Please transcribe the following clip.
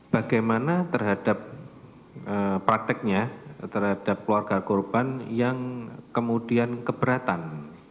bagaimana terhadap prakteknya terhadap keluarga korban yang kemudian keberatan